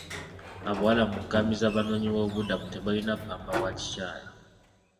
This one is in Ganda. Abawala mu nkambi z'abanoonyiboobubuddamu tebalina ppamba wa kikyala.